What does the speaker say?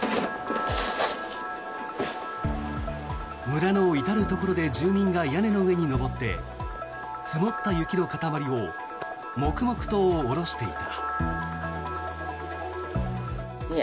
村の至るところで住民が屋根に上って積もった雪の塊を黙々と下ろしていた。